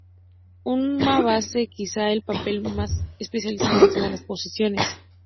Un base tiene quizás el papel más especializado de todas las posiciones.